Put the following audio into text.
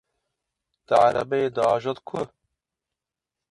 Te erebeyê diajot ku?